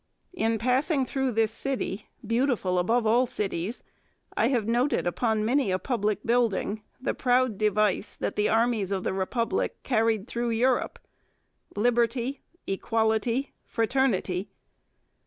'In passing through this city, beautiful above all cities, I have noted upon many a public building the proud device that the armies of the Republic carried through Europe Liberty, Equality, Fraternity.